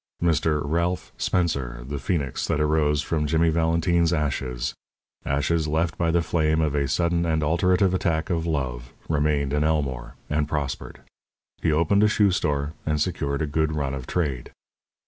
Mr. Ralph Spencer, the phoenix that arose from Jimmy Valentine's ashes ashes left by the flame of a sudden and alterative attack of love remained in Elmore, and prospered. He opened a shoe store and secured a good run of trade.